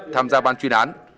tham gia ban chuyên án